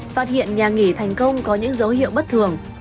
phát hiện nhà nghỉ thành công có những dấu hiệu bất thường